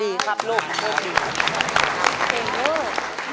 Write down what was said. ดีครับลูกลูกดีครับ